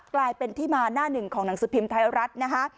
กลายเป็นที่มาหน้าหนึ่งของหนังสือพิมพ์ไทยรัฐนะคะ